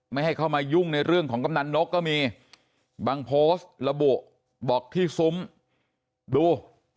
ไม่ให้เข้ามายุ่งในเรื่องของกำนันนกก็มีบางโพสต์ระบุบอกที่ซุ้มดู